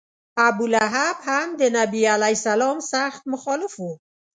ابولهب هم د نبي علیه سلام سخت مخالف و.